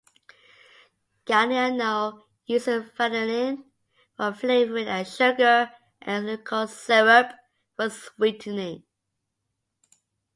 Galliano uses vanillin for flavouring and sugar and glucose syrup for sweetening.